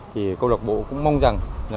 thì câu lạc bộ cũng mong rằng